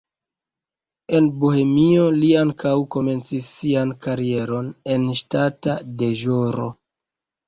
En Bohemio li ankaŭ komencis sian karieron en ŝtata deĵoro.